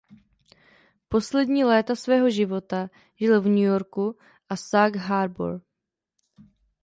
Poslední léta svého života žil v New Yorku a Sag Harbour.